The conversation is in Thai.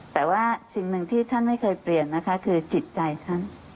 แต่ว่าสิ่งหนึ่งที่ท่านไม่เคยเปลี่ยนนะคะคือจิตใจท่าน